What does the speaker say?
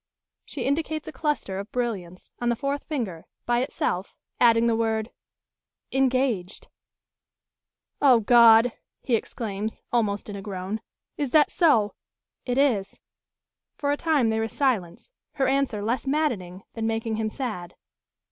She indicates a cluster of brilliants, on the fourth finger, by itself, adding the word "Engaged." "O God!" he exclaims, almost in a groan. "Is that so?" "It is." For a time there is silence; her answer less maddening than making him sad.